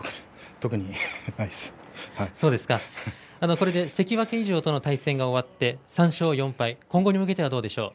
これで関脇以上との対戦が終わって３勝４敗今後に向けてはどうでしょう？